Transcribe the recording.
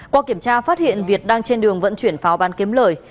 qua kiểm tra phát hiện việt đang trên đường vận chuyển pháo bán kiếm lời